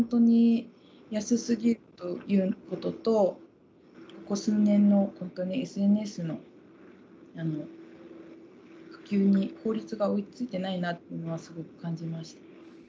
まずは本当に安すぎるということと、この数年の本当にＳＮＳの普及に、法律が追いついてないなというのはすごく感じましたね。